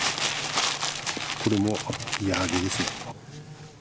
これも焼けですね。